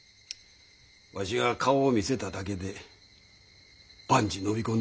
わしが顔を見せただけで万事のみ込んだフシもある。